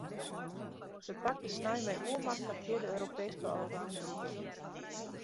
Se pakte snein mei oermacht har fjirde Europeeske allroundtitel.